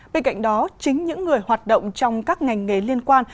bên cạnh đó chính những người hoạt động trong các ngành nghề liên quan